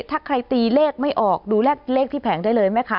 ถ้าใครตีเลขไม่ออกดูเลขที่แผงได้เลยไหมคะ